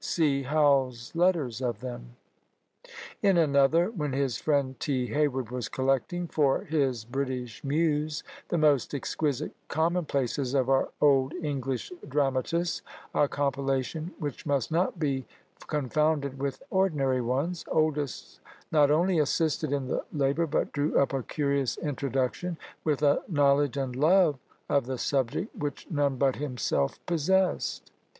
See Howell's Letters of them. In another, when his friend T. Hayward was collecting, for his "British Muse," the most exquisite commonplaces of our old English dramatists, a compilation which must not be confounded with ordinary ones, Oldys not only assisted in the labour, but drew up a curious introduction with a knowledge and love of the subject which none but himself possessed.